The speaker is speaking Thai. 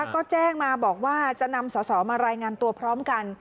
ก็แจ้งมาบอกว่าจะนำสอสอมารายงานตัวพร้อมกัน